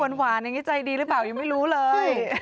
หน้าหวานยังไงใจดีหรือเปล่ายังไม่รู้เลย